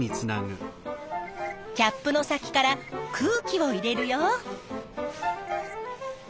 キャップの先から空気を入れるよ。